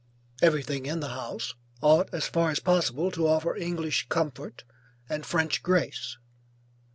Everything in the house, ought, as far as possible, to offer English comfort, and French grace.